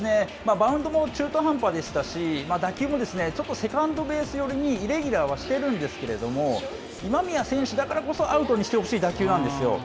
バウンドも中途半端でしたし、打球もですね、ちょっとセカンドベース寄りにイレギュラーはしてるんですけれども、今宮選手だからこそアウトにしてほしい打球なんですよ。